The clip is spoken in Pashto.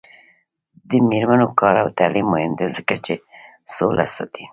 د میرمنو کار او تعلیم مهم دی ځکه چې سوله ساتي.